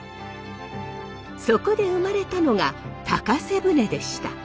そこで生まれたのが高瀬舟でした。